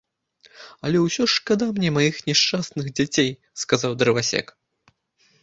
- А ўсё ж шкада мне маіх няшчасных дзяцей! - сказаў дрывасек